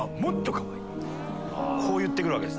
こう言って来るわけです。